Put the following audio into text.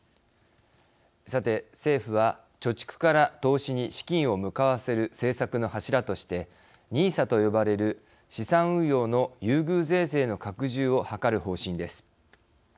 さて、政府は、貯蓄から投資に資金を向かわせる政策の柱としてＮＩＳＡと呼ばれる資産運用の優遇税制の拡充をはかる方針です。